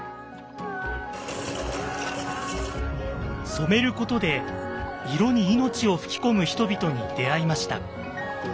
「染めること」で色に命を吹き込む人々に出会いました。